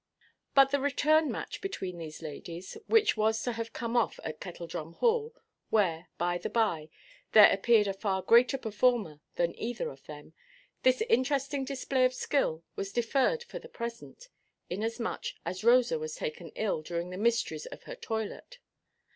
But the return–match between these ladies, which was to have come off at Kettledrum Hall—where, by–the–by, there appeared a far greater performer than either of them—this interesting display of skill was deferred for the present; inasmuch as Rosa was taken ill during the mysteries of her toilet.